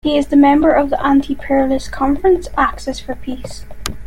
He is a member of the anti-imperialist conference Axis for Peace.